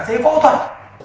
giấy phẫu thuật